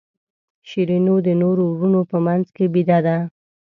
شیرینو د نورو وروڼو په منځ کې بېده ده.